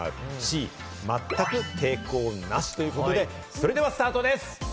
それではスタートです！